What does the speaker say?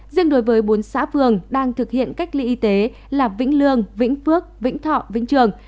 riêng đối với bốn xã phường đang thực hiện cách ly y tế là vĩnh lương vĩnh phước vĩnh thọ vĩnh trường